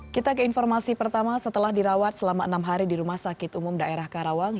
kita ke informasi pertama setelah dirawat selama enam hari di rumah sakit umum daerah karawang